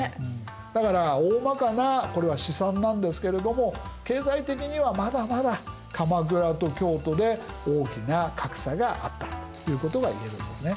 だからおおまかなこれは試算なんですけれども経済的にはまだまだ鎌倉と京都で大きな格差があったということがいえるんですね。